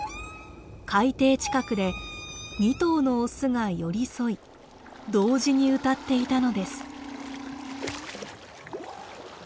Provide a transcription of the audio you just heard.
海底近くで２頭のオスが寄り添い同時に歌っていたのです。